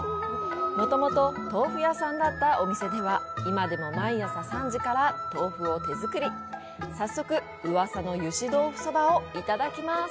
もともと豆腐屋さんだったお店では今でも毎朝３時から豆腐を手作り早速うわさのゆしどうふそばをいただきます